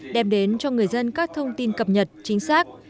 đem đến cho người dân các thông tin cập nhật chính xác